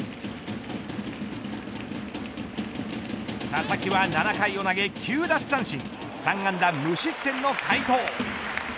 佐々木は７回を投げ９奪三振３安打無失点の快投。